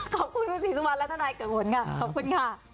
ขอบคุณคุณศรีสุวรรณและทนายเกิดผลค่ะขอบคุณค่ะ